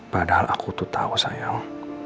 padahal aku tuh tahu sayang